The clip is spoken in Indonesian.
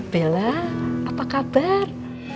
bella apa kabar